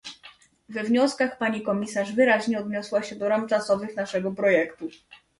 We wnioskach pani komisarz wyraźnie odniosła się do ram czasowych naszego projektu